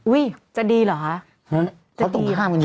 อุ้ยจะดีเหรอค่ะเขาตรงข้ามกันดี